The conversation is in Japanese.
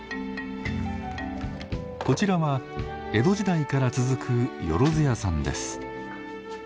こちらは江戸時代から続くよろず屋さんです。